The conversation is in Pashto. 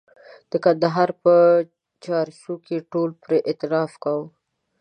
د کندهار په چارسو کې ټولو پرې اعتراف کاوه.